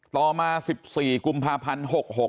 ต่อมา๑๔กุมภาพันธ์๖๖